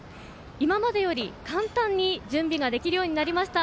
今までより簡単に準備ができるようになりました。